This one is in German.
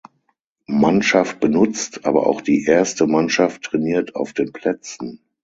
Mannschaft benutzt, aber auch die erste Mannschaft trainiert auf den Plätzen.